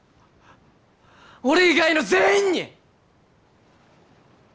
俺以外の全員に！